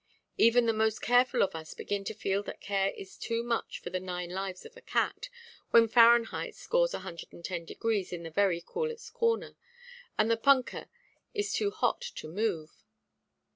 Even the most careful of us begin to feel that care is too much for the nine lives of a cat, when Fahrenheit scores 110° in the very coolest corner, and the punkah is too hot to move.